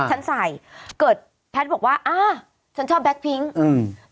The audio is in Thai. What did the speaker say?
ฉันใส่เกิดแพทย์บอกว่าอ่าฉันชอบแก๊กพิ้งอืม